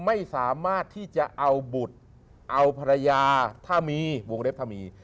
ไม่สามารถที่จะเอาบุตรเอาภรรยาถ้ามีวงเล็บถ้ามี